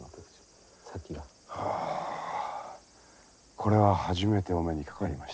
これは初めてお目にかかりました。